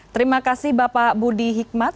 terima kasih bapak budi hikmat